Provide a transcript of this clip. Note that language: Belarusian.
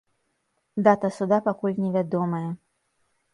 Дата суда пакуль невядомая.